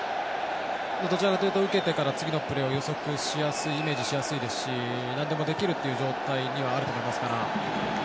どちらかというと受けてから次のプレーを予測しやすいイメージしやすいですしなんでもできるという状態にはあると思いますから。